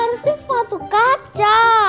bisa sih sepatu kaca